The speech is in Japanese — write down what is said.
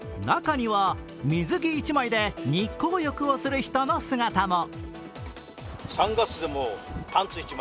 中には、水着１枚で日光浴をする人の姿も。